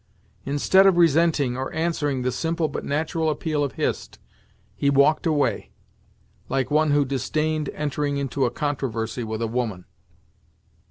Instead of resenting, or answering the simple but natural appeal of Hist, he walked away, like one who disdained entering into a controversy with a woman.